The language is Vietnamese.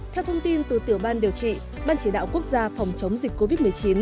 theo thông tin từ tiểu ban điều trị ban chỉ đạo quốc gia phòng chống dịch covid một mươi chín